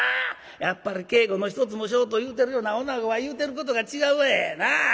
やっぱり稽古の一つもしようというてるようなおなごは言うてることが違うわ。なあ？